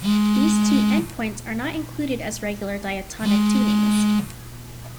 These two end points are not included as regular diatonic tunings.